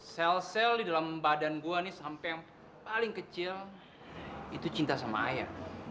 sel sel di dalam badan gua ini sampai yang paling kecil itu cinta sama air